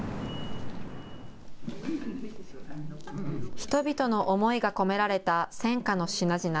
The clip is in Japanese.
人々の思いが込められた戦禍の品々。